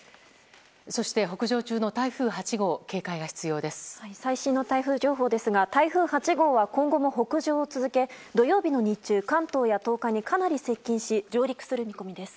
そして北上中の台風８号最新の台風情報ですが台風８号は今後も北上を続け土曜日の日中関東や東海にかなり接近し上陸する見込みです。